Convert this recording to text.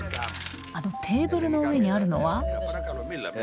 あのテーブルの上にあるのは？